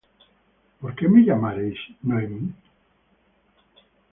¿Por qué me llamaréis Noemi?